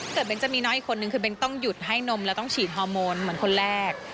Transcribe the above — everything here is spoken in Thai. แต่เบ้นจะมีน้องอีกคนนึงคือเบ้นต้องหยุดให้นมแล้วต้องฉีดฮอร์โมนเหมือนคนแรก